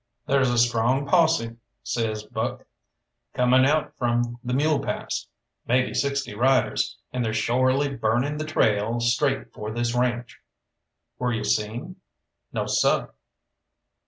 "There's a strong posse," says Buck, "coming out from the Mule Pass maybe sixty riders, and they're shorely burning the trail straight for this ranche." "Were you seen?" "No, seh!"